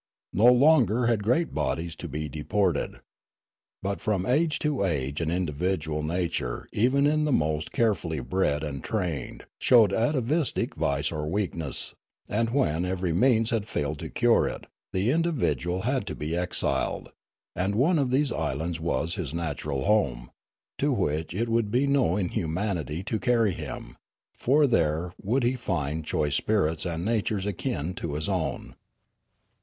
No longer had great bodies to be deported. But from age to age an individual nature even in the most carefully bred and trained showed atavistic vice or weakness ; and, when every means had failed to cure it, the indi vidual had to be exiled ; and one of these islands was his natural home, to which it would be no inhumanity to carry him ; for there would he find choice spirits and natures akin to his own.